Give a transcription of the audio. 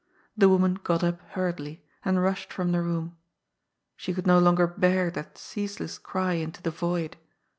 The woman got up hurriedly, and rushed from the room. She could no longer bear that ceaseless cry into the void.